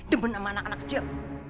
debun sama anak anak kecil